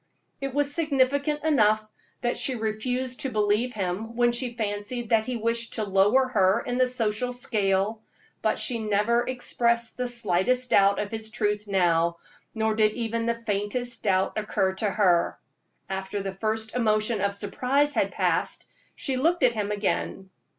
It was significant enough that she refused to believe him when she fancied that he wished to lower her in the social scale; but she never expressed the slightest doubt of his truth now, nor did even the faintest doubt occur to her. After the first emotion of surprise had passed, she looked at him again.